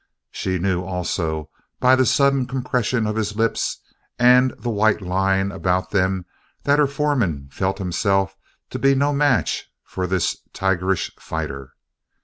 She knew also by the sudden compression of his lips and the white line about them that her foreman felt himself to be no match for this tigerish fighter.